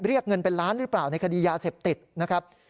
เรียกเงินเป็นล้านหรือเปล่าในคดียาเสพติดนะครับ